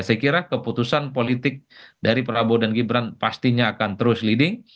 saya kira keputusan politik dari prabowo dan gibran pastinya akan terus leading